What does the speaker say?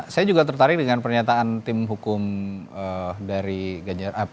saya juga tertarik dengan pernyataan tim hukum dari ganjar